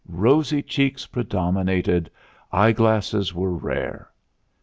"Rosy cheeks predominated; eyeglasses were rare."